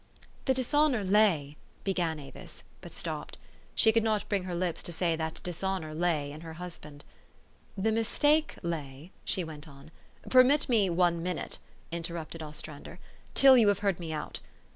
"The dishonor la}'," began Avis, but stopped. She could not bring her lips to say that dishonor lay in her husband. " The mistake lay," she went on. " Permit me one minute," interrupted Ostrander, " till 3'ou have heard me out.